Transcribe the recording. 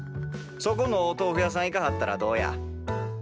そこのお豆腐屋さん行かはったらどうや？